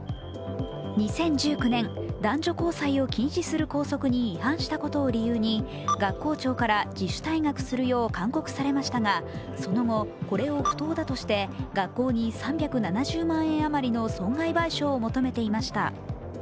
２０１９年、男女交際を禁止する校則に違反したことを理由に学校長から自主退学するよう勧告されましたがその後、これを不当だとして学校に３７０万円余りの損害賠償を求めていました。